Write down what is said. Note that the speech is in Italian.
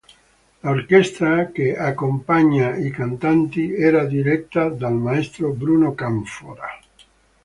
L'orchestra che accompagna i cantanti era diretta dal maestro Bruno Canfora.